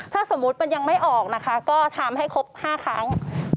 ถ้าสมมุติมันยังไม่ออกนะคะก็ทำให้ครบ๕ครั้ง